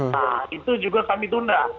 nah itu juga kami tunda